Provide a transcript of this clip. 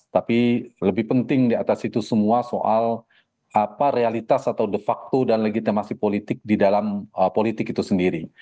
tapi lebih penting di atas itu semua soal realitas atau de facto dan legitimasi politik di dalam politik itu sendiri